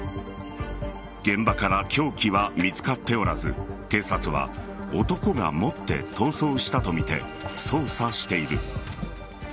現場から凶器は見つかっておらず警察は男が持って逃走したとみて捜査している。